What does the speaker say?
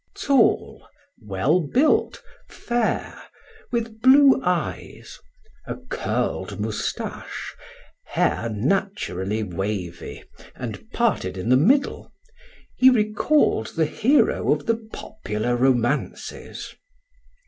Tall, well built, fair, with blue eyes, a curled mustache, hair naturally wavy and parted in the middle, he recalled the hero of the popular romances.